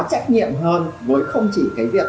trách nhiệm hơn với không chỉ cái việc